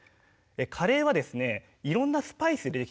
カレーはですねいろんなスパイスでできています。